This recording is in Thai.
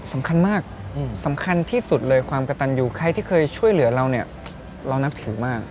สำคัญมากสำคัญที่สุดเลยความกระตันอยู่ใครที่เคยช่วยเหลือเราเนี่ยเรานับถือมาก